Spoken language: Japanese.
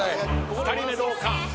２人目どうか？